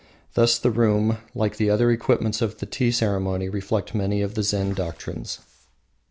Thus the room, like the other equipments of the tea ceremony, reflects many of the Zen doctrines.